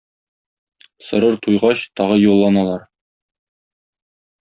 Сорыр туйгач, тагы юлланалар.